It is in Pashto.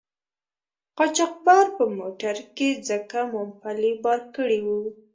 قاچاقبر په موټر کې ځکه مومپلي بار کړي وو.